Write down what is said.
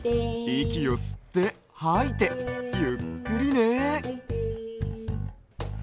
いきをすってはいてゆっくりね。